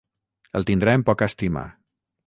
El tindrà en poca estima.